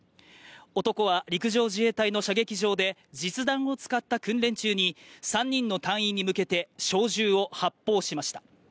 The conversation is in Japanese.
男は陸上自衛隊の射撃場で実弾を使った訓練中に３人の隊員に向けて小銃を発砲しました。